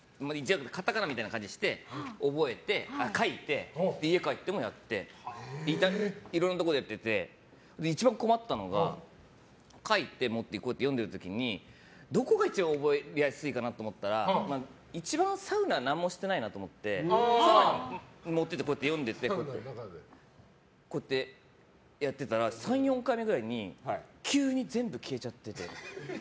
カタカナみたいにして書いて、家に帰ってもやっていろんなところでやって一番困ったのは書いて、読んでる時にどこが一番覚えやすいかと思ったら一番サウナ何もしてないなと思ってサウナに持っていって読んでてこうやってやってたら３、４回目くらいに急に全部消えちゃってて。